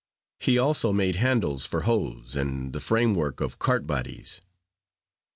He also made handles for hoes, and the frame work of cart bodies.